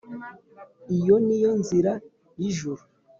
iyo ni yo nzira y’ijuru.